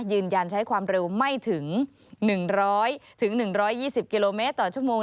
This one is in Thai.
ยืนยันใช้ความเร็วไม่ถึง๑๐๐๑๒๐กิโลเมตรต่อชั่วโมง